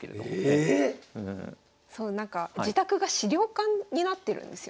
ええ⁉そうなんか自宅が資料館になってるんですよね？